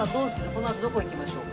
このあとどこ行きましょうか。